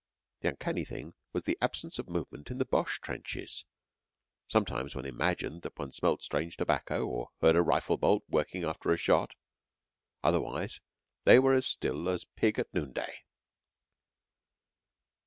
The uncanny thing was the absence of movement in the Boche trenches. Sometimes one imagined that one smelt strange tobacco, or heard a rifle bolt working after a shot. Otherwise they were as still as pig at noonday.